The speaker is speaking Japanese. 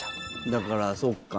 だから、そっか。